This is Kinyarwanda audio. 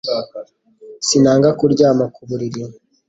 Sinanga kuryama ku buriri